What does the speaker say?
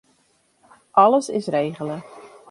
Alles is regele.